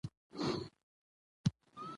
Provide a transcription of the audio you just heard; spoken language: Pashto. په اوبو مو دا خپل کور رڼا رڼا کړي